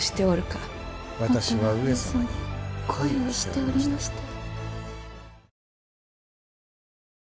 もとは上様に恋をしておりましたよ。